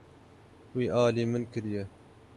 Wî alî min kiriye.